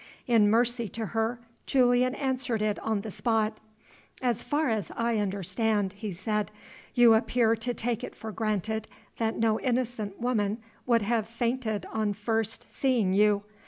In mercy to her, Julian answered it on the spot. "As far as I understand," he said, "you appear to take it for granted that no innocent woman would have fainted on first seeing you.